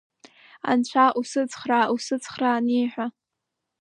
Анцәа, усыцхраа, усыцхраа, аниҳәа.